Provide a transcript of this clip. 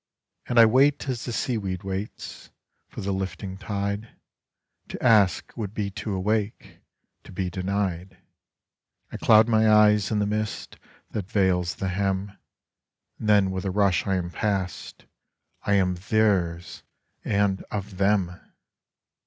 And I wait as the seaweed waitsFor the lifting tide; To ask would be to awake,—To be denied.I cloud my eyes in the mistThat veils the hem,—And then with a rush I am past,—I am Theirs, and of Them!